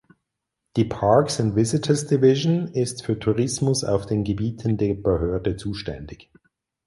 Die Parks and Visitors Division ist für Tourismus auf den Gebieten der Behörde zuständig.